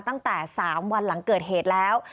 ตั้งแต่๓วันหลังเกิดเหตุแล้ว